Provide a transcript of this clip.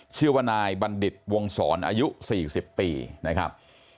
ชื่อว่านายบัณฑิตวงศรอายุ๔๐ปีนะครับ